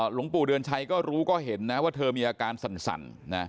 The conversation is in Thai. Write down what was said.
หลวงปู่เดือนชัยก็รู้ก็เห็นนะว่าเธอมีอาการสั่น